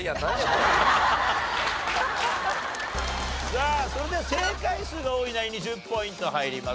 さあそれでは正解数が多いナインに１０ポイント入ります。